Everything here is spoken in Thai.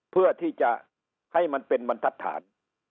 เพื่อที่จะให้มันเป็นบรรทัศน